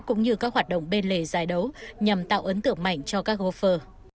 cũng như các hoạt động bên lề giải đấu nhằm tạo ấn tượng mạnh cho các góp phở